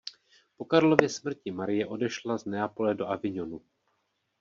Po Karlově smrti Marie odešla z Neapole do Avignonu.